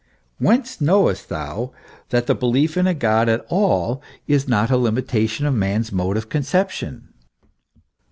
Whence knowest thou that the belief in a God at all is not a limitation of man's mode of conception